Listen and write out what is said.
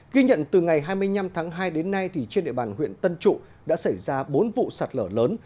ghi nhận từ ngày hai mươi năm tháng hai đến nay trên địa bàn huyện tân trụ đã xảy ra bốn vụ sạt lở lớn